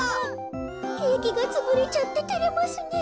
ケーキがつぶれちゃっててれますねえ。